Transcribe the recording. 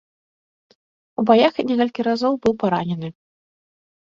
У баях некалькі разоў быў паранены.